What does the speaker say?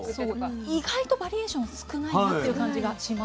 意外とバリエーション少ないっていう感じがしますよね。